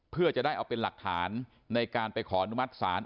เพื่อจะได้เอาเป็นหลักฐานในการไปขออนุมัติศาล